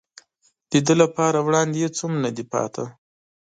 د ده لپاره وړاندې هېڅ هم نه دي پاتې.